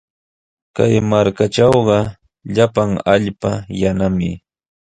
Kay markatrawqa llapan allpa yanami.